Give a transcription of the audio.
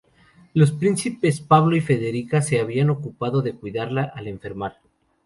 Los príncipes Pablo y Federica se habían ocupado de cuidarla al enfermar.